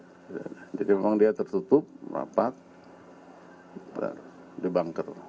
tidak ada jadi memang dia tertutup merapat dibangker